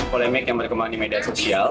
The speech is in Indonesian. polemik yang berkembang di media sosial